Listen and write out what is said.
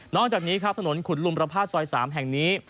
จากนี้ครับถนนขุนลุมประพาทซอย๓แห่งนี้